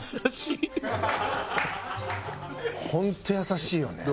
本当優しいよね。